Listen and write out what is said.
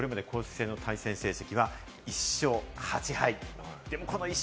これまでの対戦成績は１勝８敗。